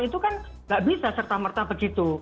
itu kan nggak bisa serta merta begitu